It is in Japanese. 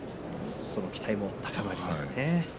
その期待も高まりますね。